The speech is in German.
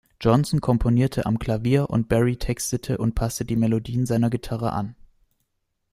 Johnson komponierte am Klavier und Berry textete und passte die Melodie seiner Gitarre an.